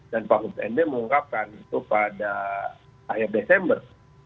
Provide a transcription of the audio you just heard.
dan pak mahfud md mengungkapkan itu pada akhir desember